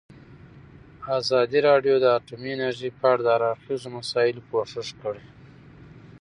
ازادي راډیو د اټومي انرژي په اړه د هر اړخیزو مسایلو پوښښ کړی.